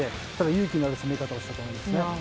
勇気ある攻め方をしたと思います。